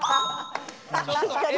確かに。